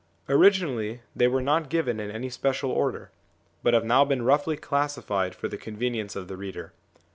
Originally they were not given in any special order, but have now been roughly classified for the con venience of the reader.